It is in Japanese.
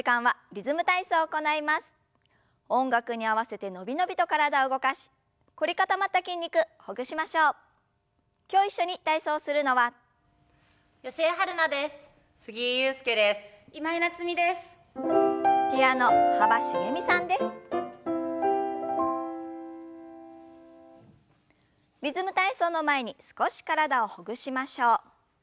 「リズム体操」の前に少し体をほぐしましょう。